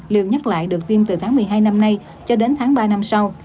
liều nhắc lại được tiêm từ tháng một mươi hai năm nay cho đến tháng ba năm sau